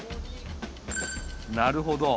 なるほど。